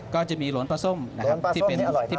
ก็จะมีหลวนปลาส้มนะครับที่เป็นสามคน